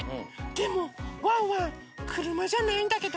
でもワンワンくるまじゃないんだけど。